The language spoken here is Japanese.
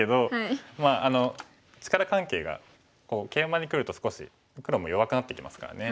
力関係がケイマにくると少し黒も弱くなってきますからね。